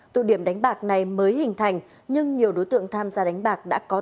tụ điểm đánh bạc này mới hình thành nhưng nhiều đối tượng tham gia đánh bạc đã có